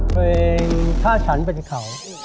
เพลงถ้าฉันเป็นเขา